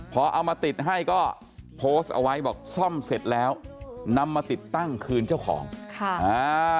พอเอามาติดให้ก็โพสต์เอาไว้บอกซ่อมเสร็จแล้วนำมาติดตั้งคืนเจ้าของค่ะอ่า